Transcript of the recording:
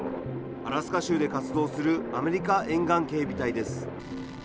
アラスカ州で活動するアメリカ沿岸警備隊です。